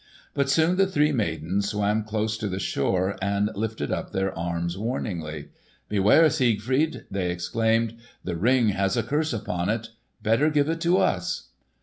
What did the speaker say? But soon the three maidens swam close to the shore and lifted up their arms warningly. "Beware, Siegfried!" they exclaimed. "The Ring has a curse upon it! Better give it to us!"